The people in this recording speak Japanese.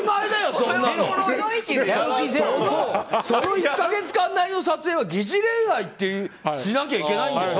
その１か月間なりの撮影は疑似恋愛をしなきゃいけないんでしょ。